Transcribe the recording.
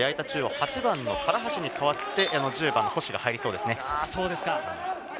中央、８番の唐橋に代わって１０番の星が入りそうです。